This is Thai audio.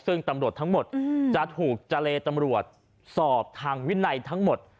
ซึ่งตำรวจทั้งหมดจะถูกเจรตำรวจสอบทางวินัยทั้งหมด